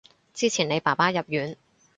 之前你爸爸入院